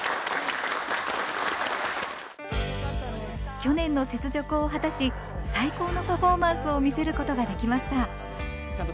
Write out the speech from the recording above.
去年の雪辱を果たし最高のパフォーマンスを見せることができました。